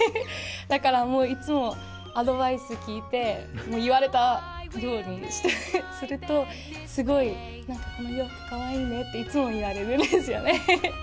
だからもう、いつもアドバイス聞いて、言われたようにすると、すごいなんかこの洋服かわいいねって、いつも言われるんですよね。